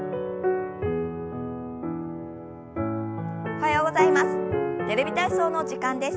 おはようございます。